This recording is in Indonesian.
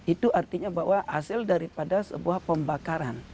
itu artinya bahwa hasil daripada sebuah pembakaran